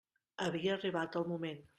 Havia arribat el moment.